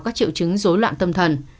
các triệu chứng dối loạn tâm thần